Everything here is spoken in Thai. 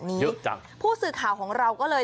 นี่คนลุกมันหยาบจริง